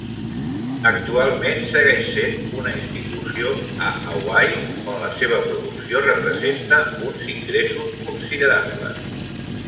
Actualment segueix sent una institució a Hawaii, on la seva producció representa uns ingressos considerables.